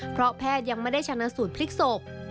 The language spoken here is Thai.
เพราะแพทย์ยังไม่ได้ชนะสูตรพลิกศพ